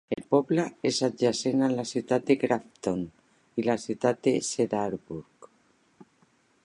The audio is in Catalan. El poble és adjacent a la Ciutat de Grafton i la ciutat de Cedarburg.